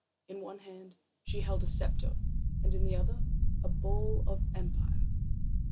In one hand she held the scepter, and in the other the ball of empire.